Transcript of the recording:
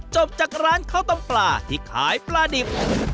จบจากร้านข้าวต้มปลาที่ขายปลาดิบ